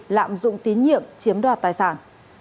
lạm dụng tín nhiệm chiếm đoạt tài sản